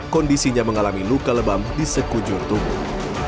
kondisinya mengalami luka lebam di sekujur tubuh